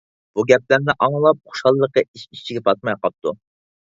بۇ گەپلەرنى ئاڭلاپ، خۇشاللىقى ئىچ - ئىچىگە پاتماي قاپتۇ.